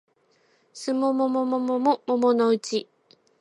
すもももももものもものうち